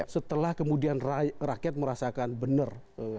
setelah kemudian rakyat merasakan benar